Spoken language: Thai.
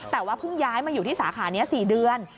แต่ว่าเพิ่งย้ายมาอยู่ที่สาขานี้๔เดือน